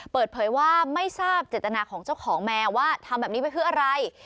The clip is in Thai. เปิดเผยว่าไม่ทราบเจตนาของเจ้าของแมวว่าทำแบบนี้ไปคืออะไร